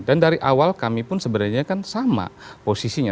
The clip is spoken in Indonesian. dan dari awal kami pun sebenarnya kan sama posisinya